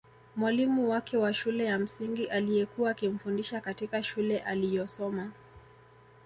Mwalimu wake wa shule ya msingi aliyekuwa akimfundisha katika shule aliyosoma